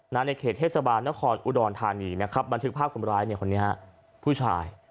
ในเขตเทศบาลนครอุดรธานีนะครับบันทึกภาพคนร้ายเนี่ยคนนี้ฮะผู้ชาย